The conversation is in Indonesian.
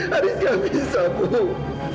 haris tidak bisa bu